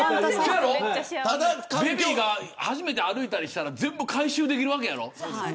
ベビーが初めて歩いたりしたら全部回収できるわけやろ。